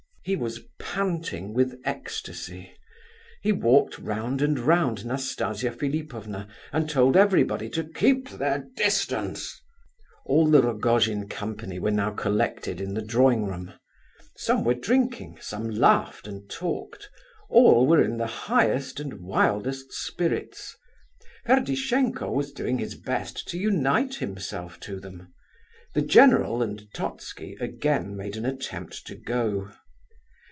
He was panting with ecstasy. He walked round and round Nastasia Philipovna and told everybody to "keep their distance." All the Rogojin company were now collected in the drawing room; some were drinking, some laughed and talked: all were in the highest and wildest spirits. Ferdishenko was doing his best to unite himself to them; the general and Totski again made an attempt to go.